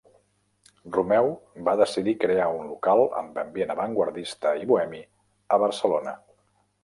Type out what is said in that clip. Romeu va decidir crear un local amb ambient avantguardista i bohemi a Barcelona.